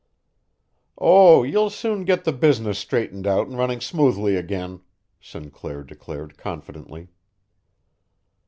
"Oh, you'll soon get the business straightened out and running smoothly again," Sinclair declared confidently.